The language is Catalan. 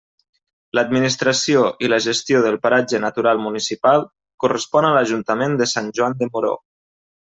L'administració i la gestió del paratge natural municipal correspon a l'Ajuntament de Sant Joan de Moró.